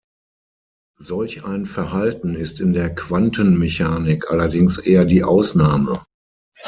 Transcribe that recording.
Solch ein Verhalten ist in der Quantenmechanik allerdings eher die Ausnahme.